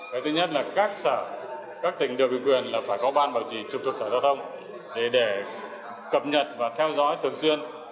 cái thứ nhất là các tỉnh được quyền là phải có ban bảo trì trục thuộc xã giao thông để cập nhật và theo dõi thường xuyên